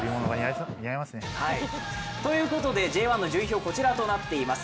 ということでＪ１の順位表、こちらとなっています。